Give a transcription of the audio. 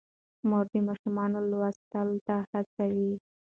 مور د ماشومانو لوستلو ته هڅوي.